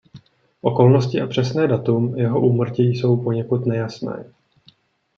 Okolnosti a přesné datum jeho úmrtí jsou poněkud nejasné.